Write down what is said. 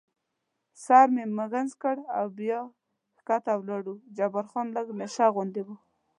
سر مې ږمنځ کړ او بیا کښته ولاړو، جبار خان لږ نشه غوندې و.